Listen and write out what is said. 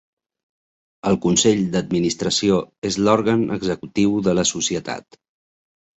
El consell d'administració és l'òrgan executiu de la societat.